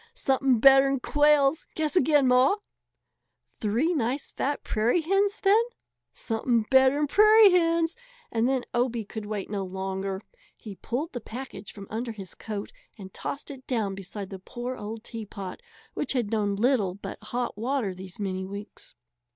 "Something better'n quails! Guess again, Ma!" "Three nice fat prairie hens then." "Something better'n prairie hens." And then Obie could wait no longer. He pulled the package from under his coat and tossed it down beside the poor old teapot, which had known little but hot water these many weeks.